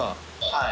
はい。